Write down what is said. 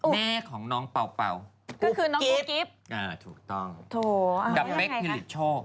แม่ของน้องเป่าเป่าอุ๊บกิฟต์ถูกต้องดับเบ๊กมิลิชโชค